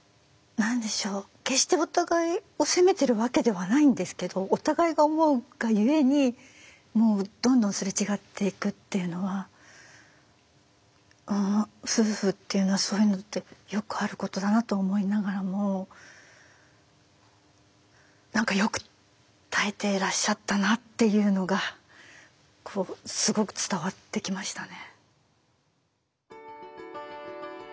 決してお互いを責めてるわけではないんですけどお互いが思うがゆえにもうどんどんすれ違っていくっていうのは夫婦っていうのはそういうのってよくあることだなと思いながらも何かよく耐えてらっしゃったなっていうのがこうすごく伝わってきましたね。